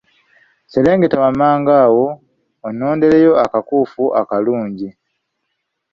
Sserengeta wammanga awo onnondereyo akakuufu akalungi.